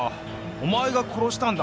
お前が殺したんだ！